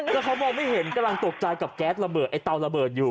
แล้วเขามองไม่เห็นกำลังตกใจกับแก๊สระเบิดไอเตาระเบิดอยู่